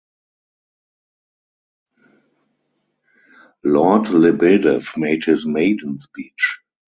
Lord Lebedev made his maiden speech.